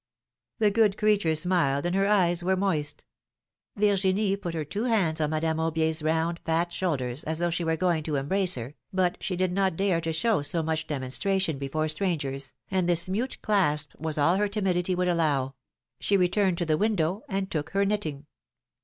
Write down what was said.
The good creature smiled and her eyes were moist, Virginie put her two hands on Madame Aubier's round, fat shoulders, as though she were going to embrace her, but she did not dare to show so much demonstration before strangers, and this mute clasp was all her timidity would allow ; she returned to the window and took her knitting.